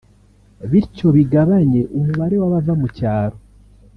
bityo bigabanye umubare w’abava mu cyaro